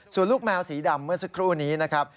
ส่วนลูกแมวสีดำเมื่อสักครู่นี้นะครับ